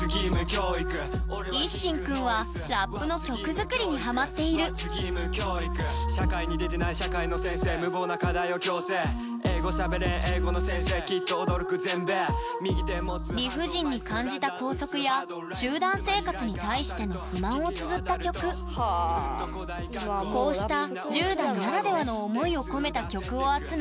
ＩＳＳＨＩＮくんはラップの曲作りにハマっている理不尽に感じた校則や集団生活に対しての不満をつづった曲こうした１０代ならではの思いを込めた曲を集め